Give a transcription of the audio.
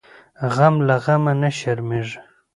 غم له غمه نه شرمیږي .